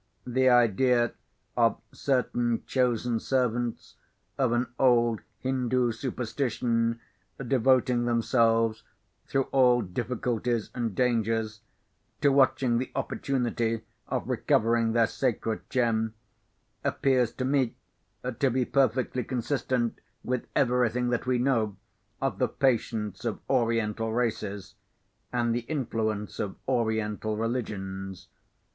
"The idea of certain chosen servants of an old Hindoo superstition devoting themselves, through all difficulties and dangers, to watching the opportunity of recovering their sacred gem, appears to me to be perfectly consistent with everything that we know of the patience of Oriental races, and the influence of Oriental religions.